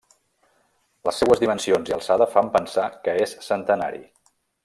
Les seues dimensions i alçada fan pensar que és centenari.